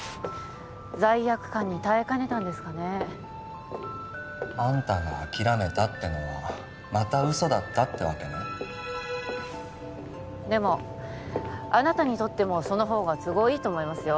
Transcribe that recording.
罪悪感に耐えかねたんですかねあんたが諦めたってのはまたウソだったってわけねでもあなたにとってもその方が都合いいと思いますよ